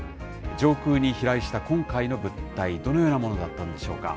上空に飛来した今回の物体、どのようなものだったんでしょうか。